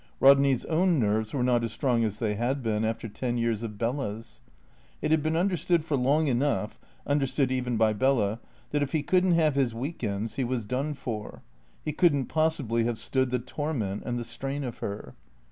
Rodney's own nerves were not as strong as they had been, after ten years of Bella's. It had been understood for long enough (understood even by Bella) that if he couldn't have his weekends he was done for; he couldn't possibly have stood the torment and the strain of her.